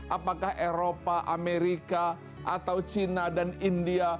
apakah eropa amerika atau china dan india